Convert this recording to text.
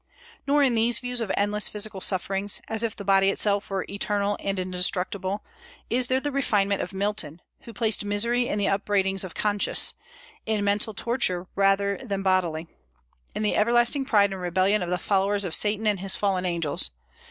Nor in these views of endless physical sufferings, as if the body itself were eternal and indestructible, is there the refinement of Milton, who placed misery in the upbraidings of conscience, in mental torture rather than bodily, in the everlasting pride and rebellion of the followers of Satan and his fallen angels.